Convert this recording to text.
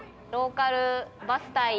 ローカルバス対。